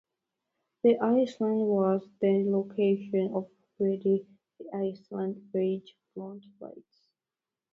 The island was the location of Reedy Island Range Front Light.